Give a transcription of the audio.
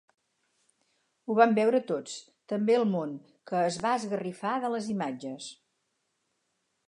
Ho van veure tots, també el món, que es va esgarrifar de les imatges.